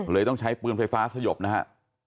เลยต้องใช้ปืนไฟฟ้าสยบนะครับ